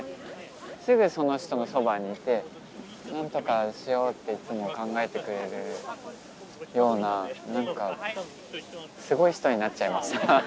すぐその人のそばにいてなんとかしようっていつも考えてくれるようななんかすごい人になっちゃいました。